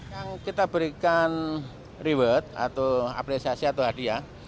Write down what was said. yang kita berikan reward atau apresiasi atau hadiah